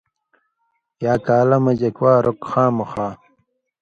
یا کالہ مژ اک وار اوک خامخا